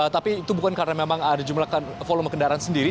tapi itu bukan karena memang ada jumlah volume kendaraan sendiri